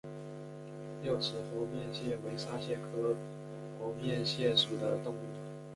六齿猴面蟹为沙蟹科猴面蟹属的动物。